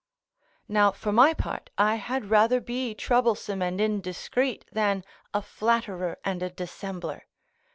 Now, for my part, I had rather be troublesome and indiscreet than a flatterer and a dissembler.